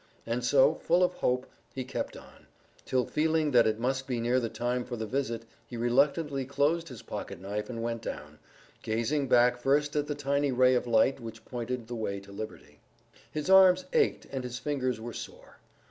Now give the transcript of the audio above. And so, full of hope, he kept on, till feeling that it must be near the time for the visit, he reluctantly closed his pocket knife and went down, gazing back first at the tiny ray of light which pointed the way to liberty. His arms ached and his fingers were sore.